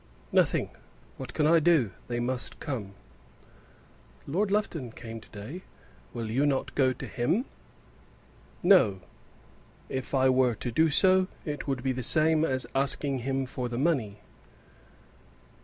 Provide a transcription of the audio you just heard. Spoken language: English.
"Nothing. What can I do? They must come." "Lord Lufton came to day. Will you not go to him?" "No. If I were to do so it would be the same as asking him for the money."